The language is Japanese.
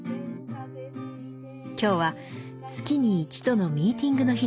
今日は月に一度のミーティングの日です。